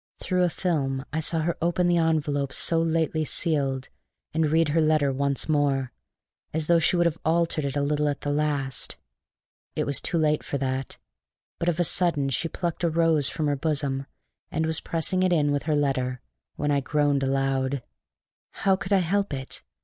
Through a film I saw her open the envelope so lately sealed and read her letter once more, as though she would have altered it a little at the last. It was too late for that; but of a sudden she plucked a rose from her bosom, and was pressing it in with her letter when I groaned aloud. How could I help it?